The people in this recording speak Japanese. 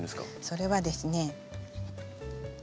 それはですね。